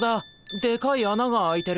でかいあなが開いてる。